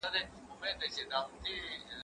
زه له سهاره سبزیحات وچوم؟!